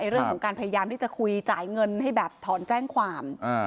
เรื่องของการพยายามที่จะคุยจ่ายเงินให้แบบถอนแจ้งความ